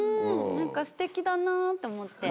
何かすてきだなって思って。